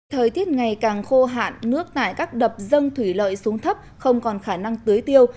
thời tiết ngày càng khô hạn nước tại các đập dân thủy lợi xuống thấp không còn khả năng tưới tiêu